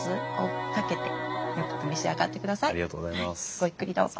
ごゆっくりどうぞ。